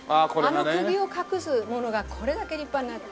あの釘を隠すものがこれだけ立派になって。